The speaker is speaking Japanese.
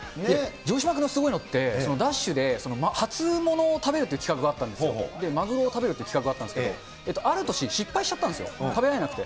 城島君のすごいのって、ＤＡＳＨで、初物を食べるっていう企画があったんですよ、マグロを食べるっていう企画があったんですけど、ある年、失敗しちゃったんですよ、食べられなくて。